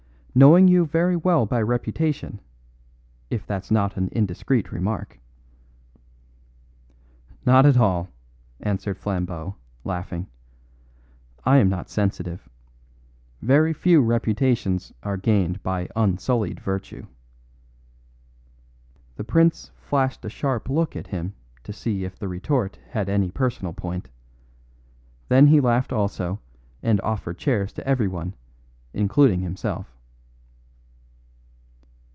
"Knowing you very well by reputation, if that's not an indiscreet remark." "Not at all," answered Flambeau, laughing. "I am not sensitive. Very few reputations are gained by unsullied virtue." The prince flashed a sharp look at him to see if the retort had any personal point; then he laughed also and offered chairs to everyone, including himself.